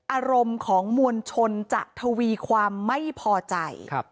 อารมณ์ของมวลชนจะทวีความไม่พอใจ